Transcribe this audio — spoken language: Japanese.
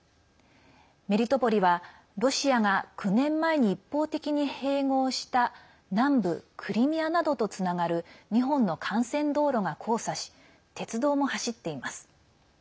メリトポリは、ロシアが９年前に一方的に併合した南部クリミアなどとつながる２本の幹線道路が交差し鉄道も走っています。